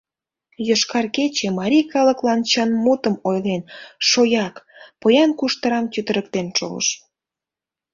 «Йошкар кече» марий калыклан чын мутым ойлен, шояк, поян куштырам чытырыктен шогыш.